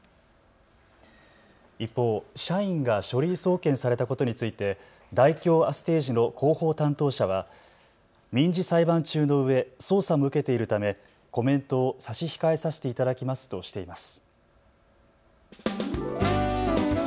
一方、社員が書類送検されたことについて大京アステージの広報担当者は民事裁判中のうえ、捜査も受けているためコメントを差し控えさせていただきますとしています。